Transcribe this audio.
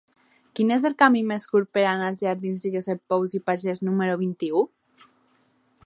Quin és el camí més curt per anar als jardins de Josep Pous i Pagès número vint-i-u?